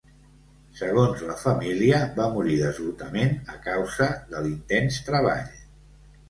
Segons la família va morir d'esgotament a causa de l'intens treball.